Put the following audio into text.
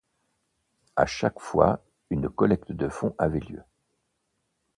À chaque fois, une collecte de fonds avait lieu.